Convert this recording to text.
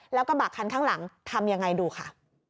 แล้วกระบะคันข้างหลังทำยังไงดูค่ะ